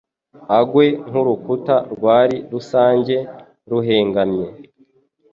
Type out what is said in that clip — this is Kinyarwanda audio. agwe nk’urukuta rwari rusanzwe ruhengamye